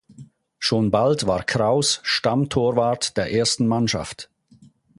Schon bald war Kraus Stammtorwart der ersten Mannschaft.